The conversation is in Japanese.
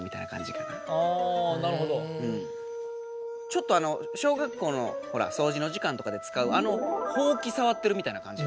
ちょっと小学校のほらそうじの時間とかでつかうあのほうきさわってるみたいな感じ。